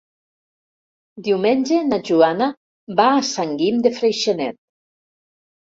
Diumenge na Joana va a Sant Guim de Freixenet.